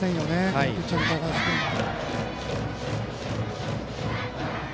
このピッチャーの高橋君は。